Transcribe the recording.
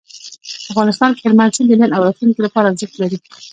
افغانستان کې هلمند سیند د نن او راتلونکي لپاره ارزښت لري.